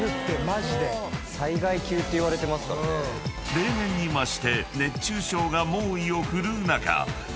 ［例年に増して熱中症が猛威を振るう中］